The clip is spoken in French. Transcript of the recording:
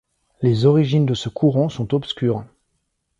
Les origines de ce courant sont obscures.